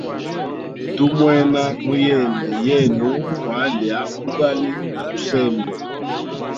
Tu mwena muyende yenu kwalya bugali na tusembe.